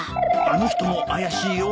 あの人も怪しいよ。